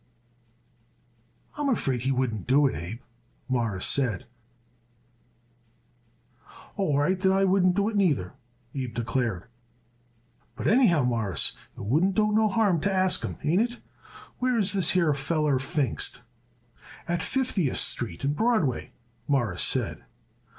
"I'm afraid he wouldn't do it, Abe," Morris said. "All right, then I wouldn't do it neither," Abe declared. "But anyhow, Mawruss, it wouldn't do no harm to ask him. Ain't it? Where is this here feller Pfingst?" "At Fiftieth Street and Broadway," Morris said.